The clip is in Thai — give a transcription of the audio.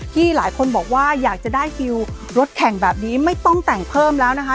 ที่หลายคนบอกว่าอยากจะได้ฟิลรถแข่งแบบนี้ไม่ต้องแต่งเพิ่มแล้วนะคะ